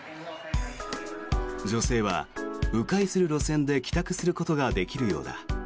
女性は迂回する路線で帰宅することができるようだ。